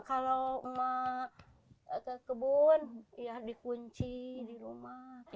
kalau imas ke kebun dikunci di rumah